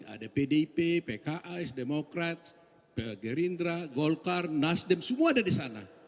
ada pdp pks demokrat gerindra golkar nasdem semua ada disana